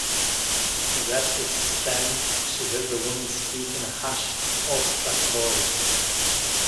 In a dreadful suspense she heard the woman speak in a hushed, awestruck voice.